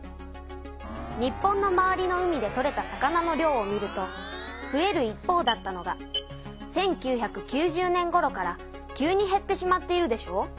日本の周りの海で取れた魚の量を見るとふえる一方だったのが１９９０年ごろから急にへってしまっているでしょう。